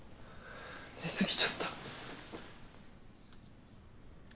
寝過ぎちゃった。